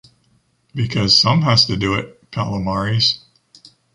Because some has to do it, Palomares.